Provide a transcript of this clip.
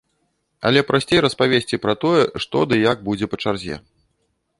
Але прасцей распавесці пра тое, што ды як будзе па чарзе.